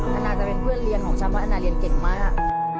นานาจะเป็นเพื่อนเรียนของฉันเพราะแอนนาเรียนเก่งมาก